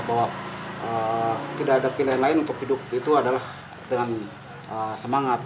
bahwa tidak ada pilihan lain untuk hidup itu adalah dengan semangat